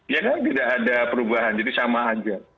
ya kan tidak ada perubahan jadi sama aja